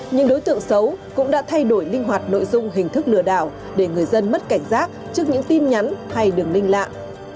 những đối tượng xấu cũng đã thay đổi linh hoạt nội dung hình thức lừa đảo để người dân mất cảnh giác trước những tin nhắn hay đường linh lạc